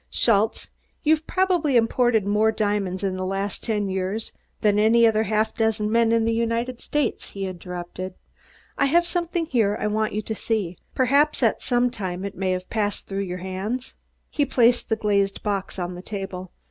"Schultze, you've probably imported more diamonds in the last ten years than any other half dozen men in the United States," he interrupted. "I have something here I want you to see. Perhaps, at some time, it may have passed through your hands." He placed the glazed box on the table.